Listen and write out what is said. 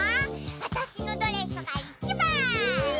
わたしのドレスがいちばん！